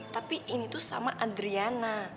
tapi ini tuh sama adriana